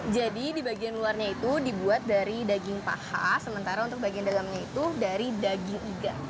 jadi di bagian luarnya itu dibuat dari daging paha sementara bagian dalamnya itu dari daging iga